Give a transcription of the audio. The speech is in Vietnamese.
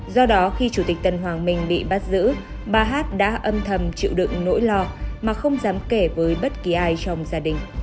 do đó khi chủ tịch tân hoàng minh bị bắt giữ bà hát đã âm thầm chịu đựng nỗi lo mà không dám kể với bất kỳ ai trong gia đình